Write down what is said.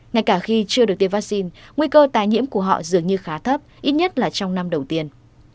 ngay cả khi chưa được tiêm vaccine nguy cơ tái nhiễm của họ dường như khá thấp ít nhất là trong năm đầu tiên